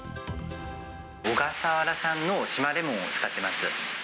小笠原産の島レモンを使ってます。